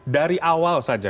dari awal saja